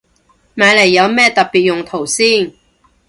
買嚟有咩特別用途先